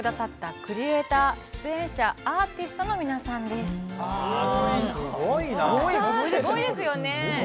すごいですよね。